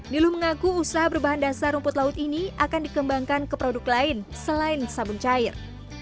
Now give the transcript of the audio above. niluh mengaku usaha berbahan dasar rumput laut ini akan dikembangkan ke produk lain selain sabun cair